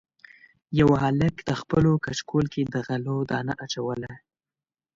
یوه هلک د خپلو کچکول کې د غلو دانه اچوله.